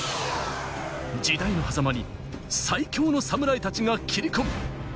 時代のはざまに最強の侍たちが切り込む。